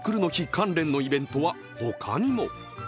関連のイベントは他にも。